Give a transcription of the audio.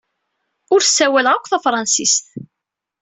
Ur ssawaleɣ akk tafṛensist.